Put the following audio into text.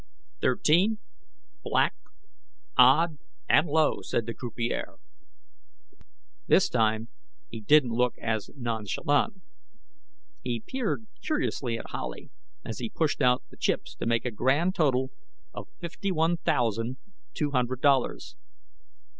"Thirteen, Black, Odd, and Low," said the croupier. This time, he didn't look as nonchalant. He peered curiously at Howley as he pushed out the chips to make a grand total of fifty one thousand two hundred dollars.